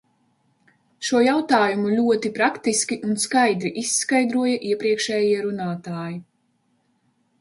Šo jautājumu ļoti praktiski un skaidri izskaidroja iepriekšējie runātāji.